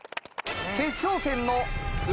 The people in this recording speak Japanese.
決勝戦の運